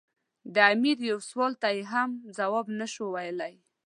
د امیر یوه سوال ته یې هم ځواب نه شو ویلای.